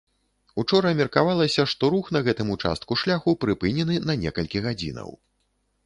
Учора меркавалася, што рух на гэтым участку шляху прыпынены на некалькі гадзінаў.